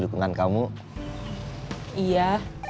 dengan kamu iya